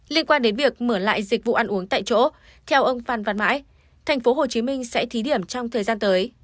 liên quan đến việc mở lại dịch vụ ăn uống tại chỗ theo ông phan văn mãi tp hcm sẽ thí điểm trong thời gian tới